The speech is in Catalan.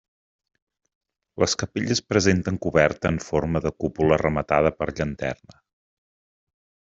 Les capelles presenten coberta en forma de cúpula rematada per llanterna.